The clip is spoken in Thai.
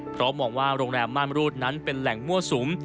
เพราะมองว่าโรงแรมม่านรูดนั้นเป็นแหล่งมั่วสุม